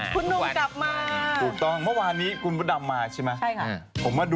คุณหนุ่มกลับมาถูกต้องเมื่อวานนี้คุณพระดำมาใช่ไหม